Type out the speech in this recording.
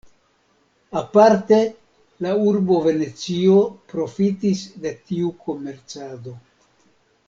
Aparte la urbo Venecio profitis de tiu komercado.